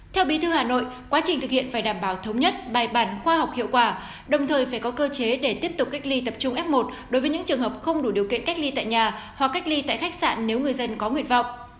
theo bí thư hà nội quá trình thực hiện phải đảm bảo thống nhất bài bản khoa học hiệu quả đồng thời phải có cơ chế để tiếp tục cách ly tập trung f một đối với những trường hợp không đủ điều kiện cách ly tại nhà hoặc cách ly tại khách sạn nếu người dân có nguyện vọng